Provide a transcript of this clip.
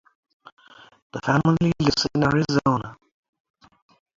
The family lives in Arizona.